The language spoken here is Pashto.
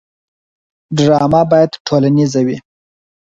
ډرامه باید ټولنیزه وي